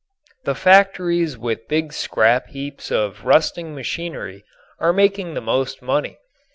The factories with big scrap heaps of rusting machinery are making the most money.